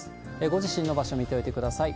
ご自身の場所見ておいてください。